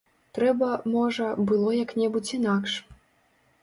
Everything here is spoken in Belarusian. Трэба, можа, было як-небудзь інакш.